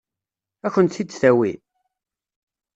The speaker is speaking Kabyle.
Ad kent-t-id-tawi?